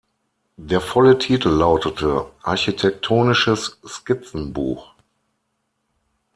Der volle Titel lautete "Architektonisches Skizzen-Buch.